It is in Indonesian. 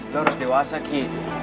lo harus dewasa ki